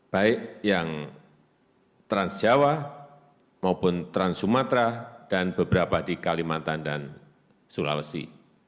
baik yang transjawa maupun trans sumatera dan beberapa di kalimantan dan sulawesi